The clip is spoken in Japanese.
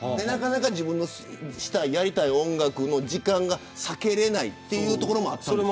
なかなか自分のやりたい、したい音楽の時間がつくれないというところもあった。